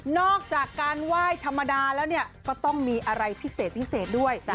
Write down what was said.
นอกจากการไหว้ธรรมดาแล้วเนี่ยก็ต้องมีอะไรพิเศษพิเศษด้วย